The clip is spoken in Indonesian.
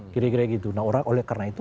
kira kira gitu nah oleh karena itu